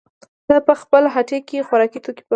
زه په خپله هټۍ کې خوراکي توکې پلورم.